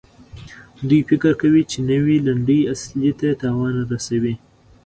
دوی فکر کوي چې نوي لنډۍ اصلي ته تاوان رسوي.